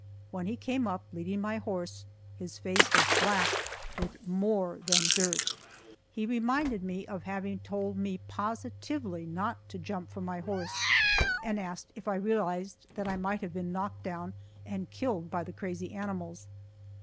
When he came up, leading my horse, his face was black with more than dirt. He reminded me of having told me positively not to jump from my horse, and asked if I realized that I might have been knocked down and killed by the crazy animals.